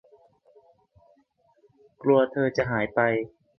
กลัวเธอจะหายไป